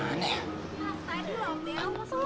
pak pak ini belum nih